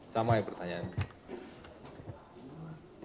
sama ya pertanyaannya